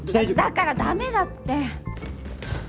だからだめだって。